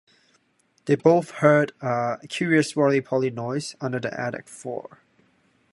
They both heard a curious roly-poly noise under the attic floor.